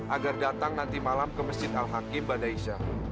agar datang nanti malam ke mesjid al hakim badaisah